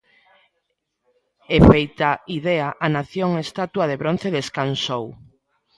E, feita Idea, a Nación estatua de bronce descansou.